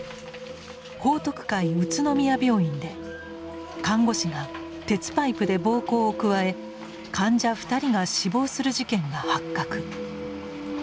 報徳会宇都宮病院で看護師が鉄パイプで暴行を加え患者２人が死亡する事件が発覚。